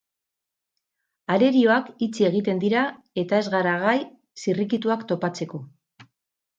Arerioak itxi egiten dira eta ez gara gai zirrikituak topatzeko.